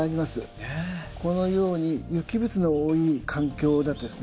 このように有機物の多い環境だとですね